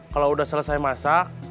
kalau udah selesai masak